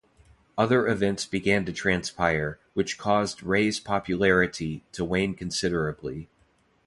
Other events began to transpire, which caused Ray's popularity to wane considerably.